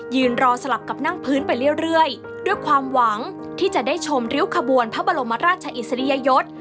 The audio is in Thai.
รอสลับกับนั่งพื้นไปเรื่อยด้วยความหวังที่จะได้ชมริ้วขบวนพระบรมราชอิสริยยศ